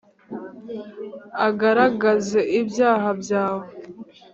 agaragaze ibyaha byawe!